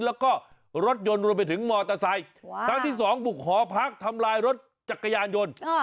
แล้วก็รถยนต์รวมไปถึงมอเตอร์ไซค์ครั้งที่สองบุกหอพักทำลายรถจักรยานยนต์